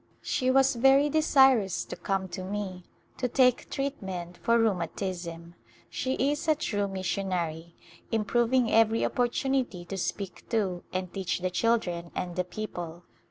She was very desirous to come to me to take treatment for rheuma tism. She is a true missionary, improving every op portunity to speak to and teach the children and the people.